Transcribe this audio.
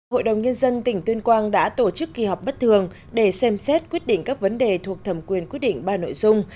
hội đồng nhân dân tỉnh tuyên quang đã tổ chức kỳ họp bất thường để xem xét quyết định các vấn đề thuộc thẩm quyền quyết định ba nội dung